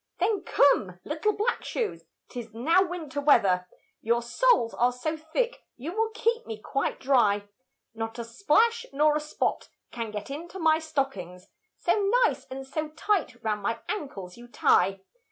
Then come, little black shoes, 'tis now winter weather, Your soles are so thick, you will keep me quite dry; Not a splash nor a spot can get into my stockings, So nice and so tight round my ancles you tie.